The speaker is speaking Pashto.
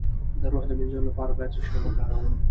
د روح د مینځلو لپاره باید څه شی وکاروم؟